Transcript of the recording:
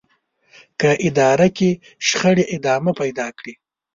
که اداره کې شخړې ادامه پيدا کړي.